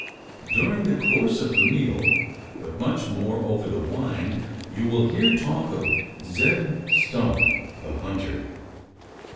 During the course of the meal but much more over the wine you will hear talk of "Zeb Stump the hunter."